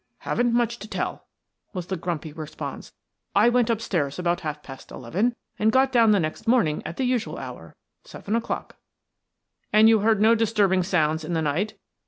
"Haven't much to tell," was the grumpy response. "I went upstairs about half past eleven and got down the next morning at the usual hour, seven o'clock." "And you heard no disturbing sounds in the night?"